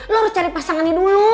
lo harus cari pasangannya dulu